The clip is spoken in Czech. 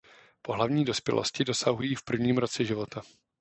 Pohlavní dospělosti dosahují v prvním roce života.